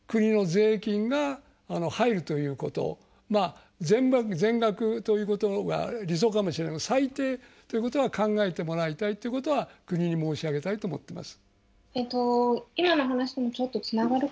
まあ全額ということが理想かもしれませんが最低ということは考えてもらいたいということは国に申し上げたいと思っています。